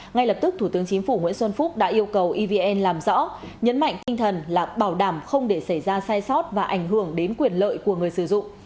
ngay lập tức thủ tướng chính phủ nguyễn xuân phúc đã yêu cầu evn làm rõ nhấn mạnh tinh thần là bảo đảm không để xảy ra sai sót và ảnh hưởng đến quyền lợi của người sử dụng